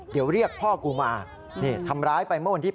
เดี๋ยวเรียกพ่อกูมานี่ทำร้ายไปเมื่อวันที่๘